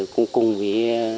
cũng cùng với